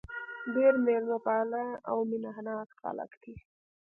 ډېر مېلمه پاله او مینه ناک خلک دي.